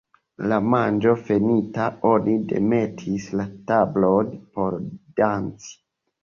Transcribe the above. La manĝo finita, oni demetis la tablon por danci.